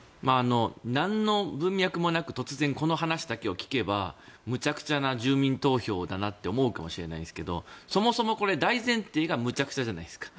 なんの文脈もなく突然この話だけを聞けばむちゃくちゃな住民投票だなって思うかもしれないですけどそもそもこれ、大前提がむちゃくちゃじゃないですか。